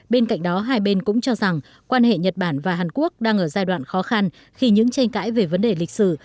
bên cạnh đó hai bên cũng cho rằng quan hệ nhật bản và hàn quốc đang ở giai đoạn khó khăn khi những tranh cãi về vấn đề lịch sử